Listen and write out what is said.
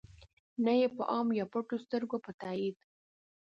نه ېې په عام یا پټو سترګو په تایید.